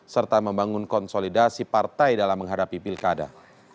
serta membangun konsolidasi partai dalam menghadapi pilkada